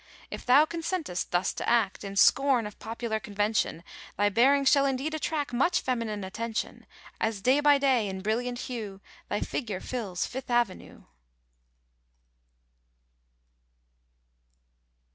If thou consentest thus to act, In scorn of popular convention, Thy bearing shall indeed attract Much feminine attention; As day by day, in brilliant hue, Thy figure fills Fifth Avenue.